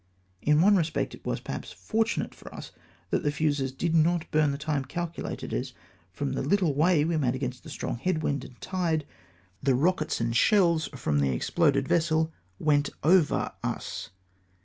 In one respect it Avas, perhaps, fortimate for us that the fuses did not burn the time calculated, as, fi'om the Httle way we had made against the strong head wind and tide, the rockets and shells from the exploded 378 THE EXPLOSION. vessel went over us.